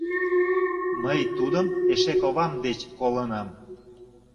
Мый тудым эше ковам деч колынам.